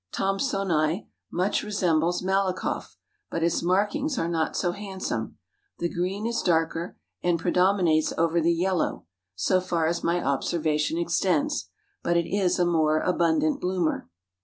Thomsonii much resembles Malakoff, but its markings are not so handsome; the green is darker, and predominates over the yellow, so far as my observation extends, but it is a more abundant bloomer.